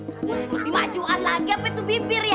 kalian lebih maju lagi sampe tuh bibir ya